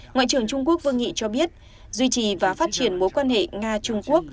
ngoại trưởng trung quốc vương nghị cho biết duy trì và phát triển mối quan hệ nga trung quốc